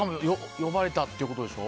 呼ばれたってことでしょ。